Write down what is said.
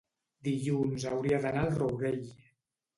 dilluns hauria d'anar al Rourell.